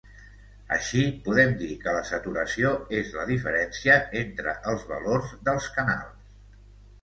Així, podem dir que la saturació és la diferència entre els valors dels canals.